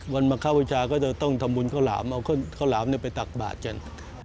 มาเข้าบูชาก็จะต้องทำบุญข้าวหลามเอาข้าวหลามไปตักบาทกัน